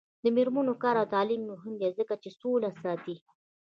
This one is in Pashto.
د میرمنو کار او تعلیم مهم دی ځکه چې سوله ساتي.